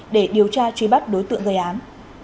để điều tra truy bắt đối tượng gây án